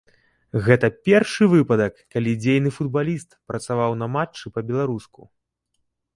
Гэта першы выпадак, калі дзейны футбаліст працаваў на матчы па-беларуску.